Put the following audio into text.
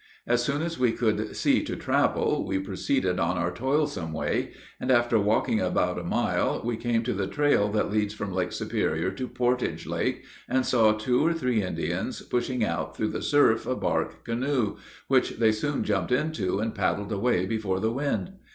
As soon as we could see to travel, we proceeded on our toilsome way, and after walking about a mile we came to the trail that leads from Lake Superior to Portage Lake, and saw two or three Indians pushing out through the surf a bark canoe, which they soon jumped into and paddled away before the wind.